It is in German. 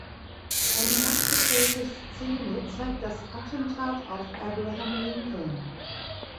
Eine nachgestellte Szene zeigt das Attentat auf Abraham Lincoln.